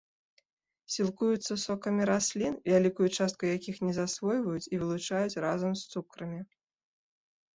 Сілкуюцца сокамі раслін, вялікую частку якіх не засвойваюць і вылучаюць разам з цукрамі.